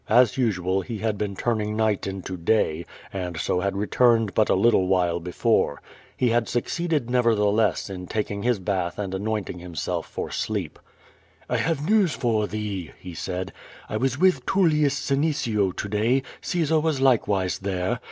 As usual he had been turning night Wo day, and so had returned but a little while before. lie liads succeeded, nevertheless, in tak ing his bath and anointing himself for sleep. "I have news for thee," he s^id. "1 was with Tullius Sene cio to day, Caesar was likewise there.